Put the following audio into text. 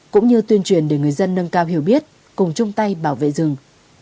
cũng như tuyên truyền để người dân nâng cao hiểu biết cùng chung tay bảo vệ rừng